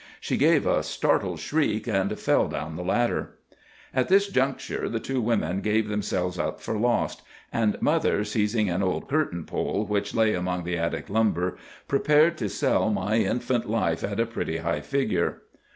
She gave a startled shriek, and fell down the ladder. "At this juncture the two women gave themselves up for lost; and mother, seizing an old curtain pole, which lay among the attic lumber, prepared to sell my infant life at a pretty high figure.